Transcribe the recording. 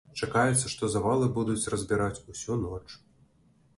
Чакаецца, што завалы будуць разбіраць усю ноч.